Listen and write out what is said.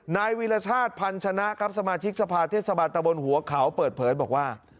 นายวิรชาติพันธ์ชนะสมาชิกสภาทเทศบาทตะวนหัวขาวเปิดเผ้อบอกว่า